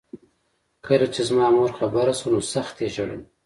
کله چې زما مور خبره شوه نو سخت یې ژړل